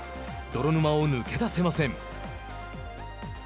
泥沼を抜け出せません。